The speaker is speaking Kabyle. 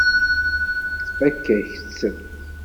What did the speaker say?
Tfakk-ak-tt.